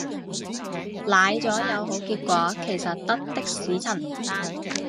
奶咗有好結果其實得的士陳